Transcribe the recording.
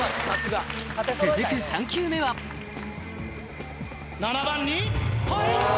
続く３球目は７番に入った！